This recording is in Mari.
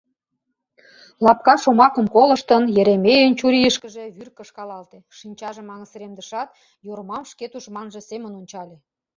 Лапка шомакым колыштын, Еремейын чурийышкыже вӱр кышкалалте, шинчажым аҥысыремдышат, Йормам шке тушманже семын ончале.